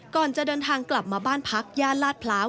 ก่อนจะเดินทางกลับมาบ้านพักย่านลาดพร้าว